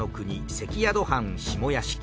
関宿藩下屋敷。